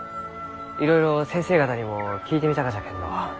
いろいろ先生方にも聞いてみたがじゃけんど